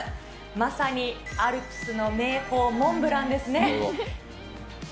まさにアルプスの名峰モンブランですね。